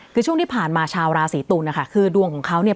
คือช่วงที่ผ่านมาชาวราศีตุลนะคะคือดวงของเขาเนี่ย